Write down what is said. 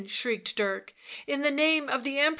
shrieked Dirk. " In the name of the Emperor